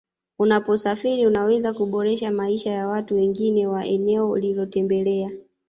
Unaposafiri unaweza kuboresha maisha ya watu wengine wa eneo ulilotembelea